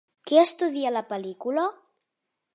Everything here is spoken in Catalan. Què estudia la pel·lícula?